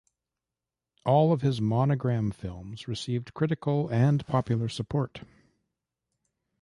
All of his Monogram films received critical and popular support.